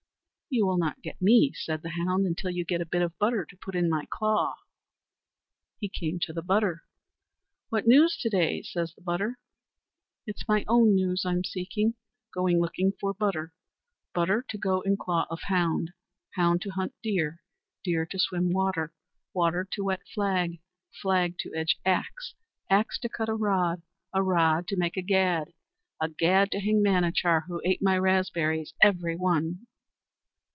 "You will not get me," said the hound, "until you get a bit of butter to put in my claw." He came to the butter. "What news to day?" says the butter. "It's my own news I'm seeking. Going looking for butter, butter to go in claw of hound, hound to hunt deer, deer to swim water, water to wet flag, flag to edge axe, axe to cut a rod, a rod to make a gad, a gad to hang Manachar, who ate my raspberries every one."